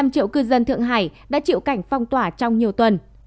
hai mươi năm triệu cư dân thượng hải đã chịu cảnh phong tỏa trong nhiều tuần